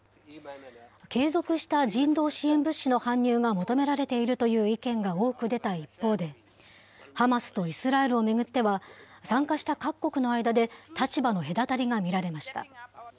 継続した人道支援物資の搬入が求められているという意見が多く出た一方で、ハマスとイスラエルを巡っては、参加した各国の間で立場の隔たりが見られました。